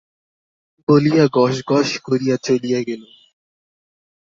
বলিয়া গস গস করিয়া চলিয়া গেল।